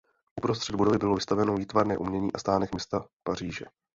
Uprostřed budovy bylo vystaveno výtvarné umění a stánek města Paříže.